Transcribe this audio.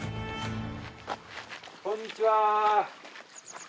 こんにちは。